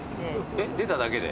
えっ出ただけで？